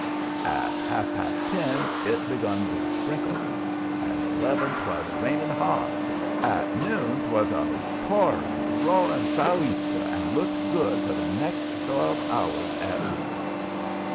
At ha'f past ten it begun to sprinkle; at eleven 'twas raining hard; at noon 'twas a pouring, roaring, sou'easter, and looked good for the next twelve hours at least.